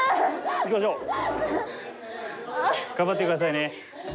行きましょう。頑張って下さいね。